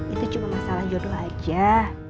itu cuma masalah jodoh aja